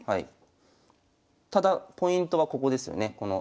ただポイントはここですよね。